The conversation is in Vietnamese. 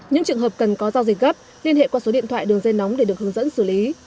những trường hợp cần có giao dịch gấp liên hệ qua số điện thoại đường dây nóng để được hướng dẫn xử lý